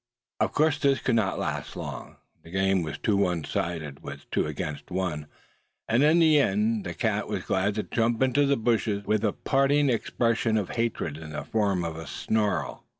Of course this could not last long. The game was too one sided, with two against one; and in the end the cat was glad to jump into the bushes, with a parting expression of hatred in the form of a snarl.